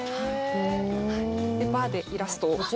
バーでイラストを。